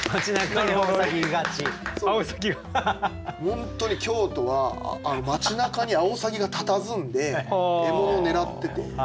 本当に京都は町なかにアオサギがたたずんで獲物を狙ってて。